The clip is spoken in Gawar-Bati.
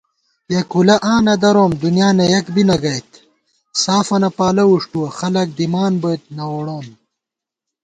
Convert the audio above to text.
یېکُولہ آں نہ دَروم، دُنیا نہ یک بی نہ گئیت * سافَنہ پالہ وُݭٹُوَہ، خلَک دِمان بوئیت نہ ووڑون